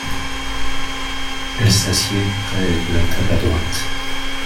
Elle s’assied près de la table à droite.